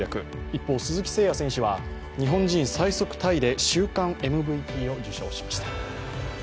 一方、鈴木誠也選手は日本人最速タイで週間ＭＶＰを受賞しました。